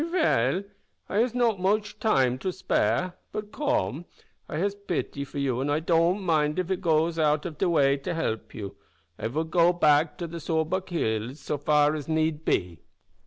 "Vell, I has not moche time to spare; but come, I has pity for you, an' don't mind if I goes out of de vay to help you. I vill go back to the Sawbuk Hills so far as need be."